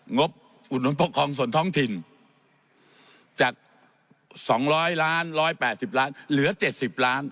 บอุดหนุนปกครองส่วนท้องถิ่นจาก๒๐๐ล้าน๑๘๐ล้านเหลือ๗๐ล้าน